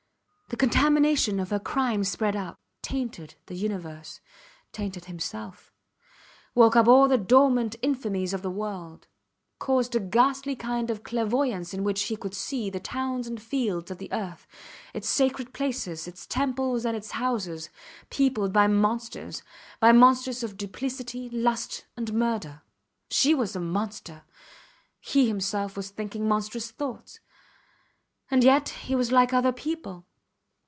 The contamination of her crime spread out, tainted the universe, tainted himself; woke up all the dormant infamies of the world; caused a ghastly kind of clairvoyance in which he could see the towns and fields of the earth, its sacred places, its temples and its houses, peopled by monsters by monsters of duplicity, lust, and murder. She was a monster he himself was thinking monstrous thoughts ... and yet he was like other people.